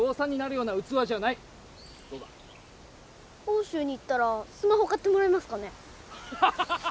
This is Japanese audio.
奥州に行ったらスマホ買ってもらえますかね？